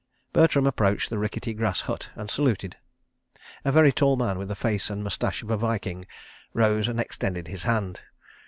... Bertram approached the rickety grass hut and saluted. A very tall man, with the face and moustache of a Viking, rose and extended his hand.